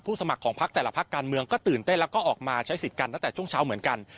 สมัครของพักแต่ละพักการเมืองก็ตื่นเต้นแล้วก็ออกมาใช้สิทธิ์กันตั้งแต่ช่วงเช้าเหมือนกัน